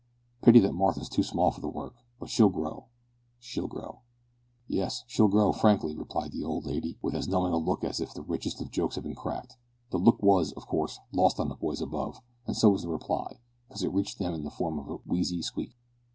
Pity that Martha's too small for the work; but she'll grow she'll grow." "Yes, she'll grow, Franky," replied the old lady, with as knowing a look as if the richest of jokes had been cracked. The look was, of course, lost on the boys above, and so was the reply, because it reached them in the form of a wheezy squeak.